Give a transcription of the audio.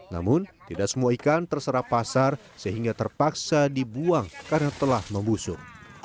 namun tidak semua ikan terserap pasar sehingga terpaksa dibuang karena telah membusuk